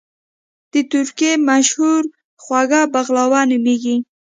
د ترکی مشهور خواږه بغلاوه نوميږي